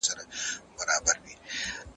د کانکور پوښتنې د کومو ټولګیو څخه انتخاب کیږي؟